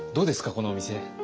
このお店。